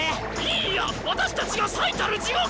いーや私たちが最たる地獄！